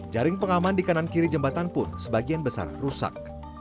jaring pengaman di kanan kiri jembatan pun sebagian besar rusak